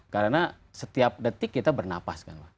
karena setiap detik kita bernapas